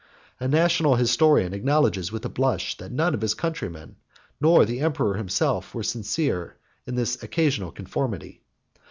A national historian acknowledges with a blush, that none of his countrymen, not the emperor himself, were sincere in this occasional conformity.